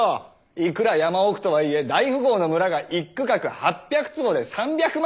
いくら山奥とはいえ大富豪の村が一区画８００坪で３００万？